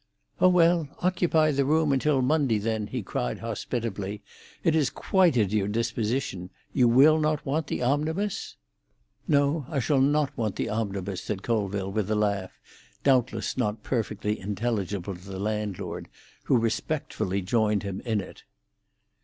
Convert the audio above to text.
"Oh, well, occupy the room until Monday, then," he cried hospitably. "It is quite at your disposition. You will not want the omnibus?" "No, I shall not want the omnibus," said Colville, with a laugh, doubtless not perfectly intelligible to the landlord, who respectfully joined him in it.